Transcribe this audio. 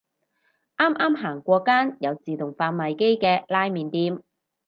啱啱行過間有自動販賣機嘅拉麵店